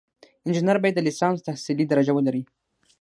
انجینر باید د لیسانس تحصیلي درجه ولري.